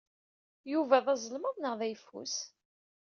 Yuba d azelmaḍ neɣ d ayeffus?